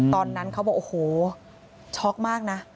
ตอนนั้นเขาบอกโอ้โหช็อกมากนะ